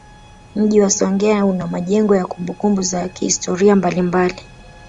Mji wa Songea una majengo ya kumbukumbu za kihistoria mbalimbali